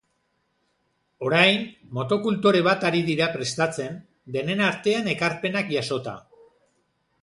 Orain, motokultore bat ari dira prestatzen, denen artean ekarpenak jasota.